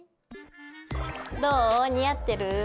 どお似合ってる？